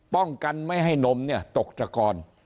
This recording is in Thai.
ป้องกันไม่ให้นมตกตะกอน